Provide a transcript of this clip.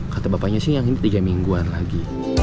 kata bapaknya sih yang ini tiga mingguan lagi